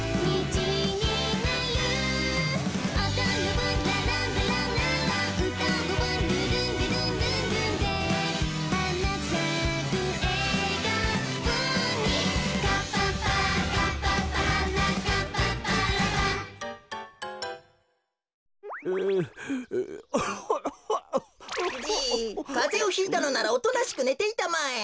じいかぜをひいたのならおとなしくねていたまえ。